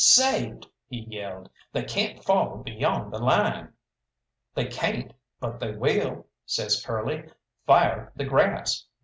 "Saved!" he yelled. "They can't follow beyond the Line." "They cayn't, but they will," says Curly; "fire the grass!"